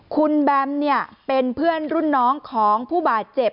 คุณแบมเนี่ยเป็นเพื่อนรุ่นน้องของผู้บาดเจ็บ